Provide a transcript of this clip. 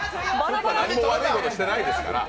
何も悪いことしてないですから。